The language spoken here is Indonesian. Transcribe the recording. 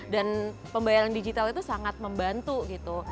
dan pembayaran digital itu sangat membantu gitu